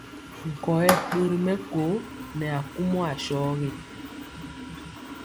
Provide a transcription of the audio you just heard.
Nkɔyɛ ɗori mɛko nɛ akumɔ asɔgi.